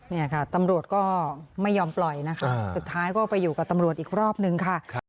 นี่ค่ะตำรวจก็ไม่ยอมปล่อยนะคะสุดท้ายก็ไปอยู่กับตำรวจอีกรอบนึงค่ะ